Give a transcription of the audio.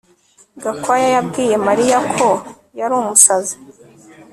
Gakwaya yabwiye Mariya ko yari umusazi